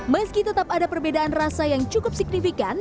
meski tetap ada perbedaan rasa yang cukup signifikan